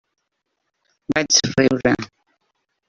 Vaig riure.